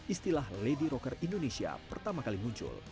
istilah lady rocker indonesia pertama kali muncul